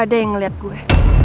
ada yang ngeliat gue